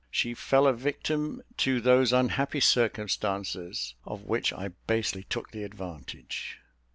She fell a victim to those unhappy circumstances of which I basely took the advantage.